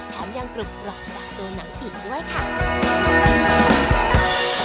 แถมยังกรุบกรอบจากตัวหนังอีกด้วยค่ะ